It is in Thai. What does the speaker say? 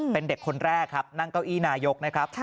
เป็นเด็กคนแรกครับนั่งเก้าอี้นายกนะครับ